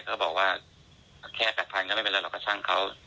ก็บอกว่าแค่๘๐๐ก็ไม่เป็นไรหรอกก็ช่างเขา